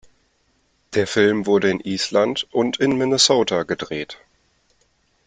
Der Film wurde in Island und in Minnesota gedreht.